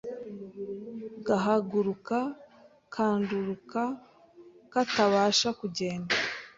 gahaguruka kandurukakatabasha kugenda